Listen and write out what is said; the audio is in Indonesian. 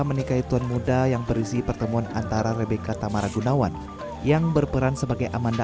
menikahi tuan muda yang berisi pertemuan antara rebeka tamaragunawan yang berperan sebagai amanda